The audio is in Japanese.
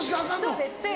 そうです。